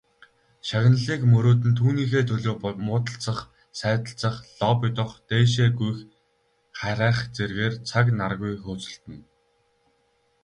Шагналыг мөрөөднө, түүнийхээ төлөө муудалцах, сайдалцах, лоббидох, дээшээ гүйх харайх зэргээр цаг наргүй хөөцөлдөнө.